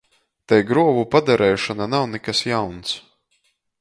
Tei gruovu padareišona nav nikas jauns.